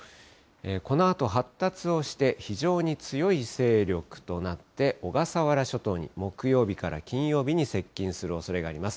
このあと発達をして、非常に強い勢力となって、小笠原諸島に木曜日から金曜日に接近するおそれがあります。